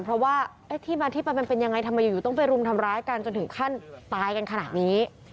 เพราะว่าที่มาที่ไปมันเป็นยังไงทำไมอยู่ต้องไปรุมทำร้ายกันจนถึงขั้นตายกันขนาดนี้